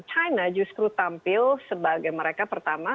china justru tampil sebagai mereka pertama